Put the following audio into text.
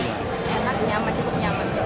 enak nyaman cukup nyaman